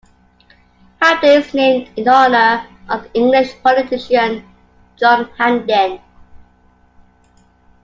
Hampden is named in honor of the English politician John Hampden.